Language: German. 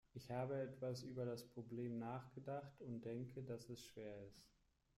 Ich habe etwas über das Problem nachgedacht und denke, dass es schwer ist.